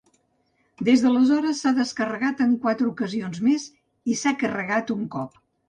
Des d’aleshores s’ha descarregat en quatre ocasions més i s’ha carregat un cop.